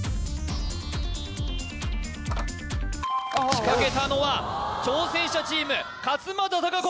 仕掛けたのは挑戦者チーム勝間田貴子